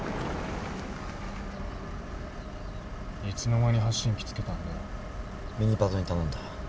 いつの間に発信機付けたんだよ？